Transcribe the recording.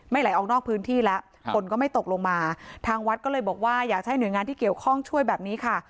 ไหลออกนอกพื้นที่แล้วฝนก็ไม่ตกลงมาทางวัดก็เลยบอกว่าอยากให้หน่วยงานที่เกี่ยวข้องช่วยแบบนี้ค่ะ